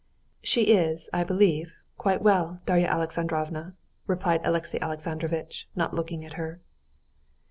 "She is, I believe, quite well, Darya Alexandrovna," replied Alexey Alexandrovitch, not looking at her.